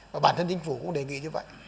và bản thân chính phủ cũng đề nghị như vậy